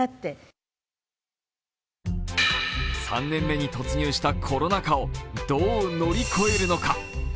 ３年目に突入したコロナ禍をどう乗り越えるのか。